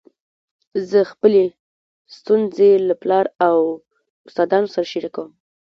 زه خپلي ستونزي له پلار او استادانو سره شریکوم.